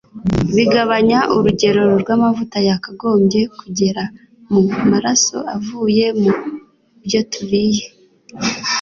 Bigabanya urugero rw'amavuta yakagombye kugera mu maraso avuye mu byo turiye;